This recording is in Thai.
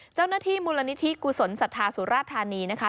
เจ้าหน้าที่มูลนิธิกุศลศรัทธาสุราธานีนะคะ